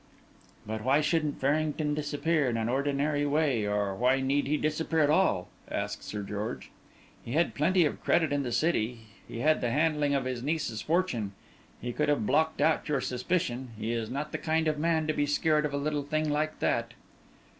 "But why shouldn't Farrington disappear in an ordinary way or why need he disappear at all?" asked Sir George. "He had plenty of credit in the city. He had the handling of his niece's fortune. He could have blocked out your suspicion; he is not the kind of man to be scared of a little thing like that."